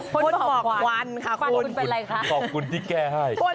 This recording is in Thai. พลหมอกวันขอควรขอบคุณที่แก้ให้หรือเป็นอะไรคะ